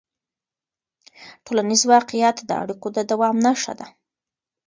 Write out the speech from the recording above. ټولنیز واقیعت د اړیکو د دوام نښه ده.